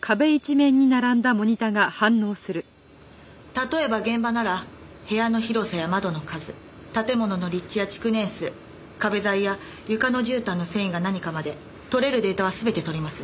例えば現場なら部屋の広さや窓の数建物の立地や築年数壁材や床のじゅうたんの繊維が何かまで取れるデータは全て取ります。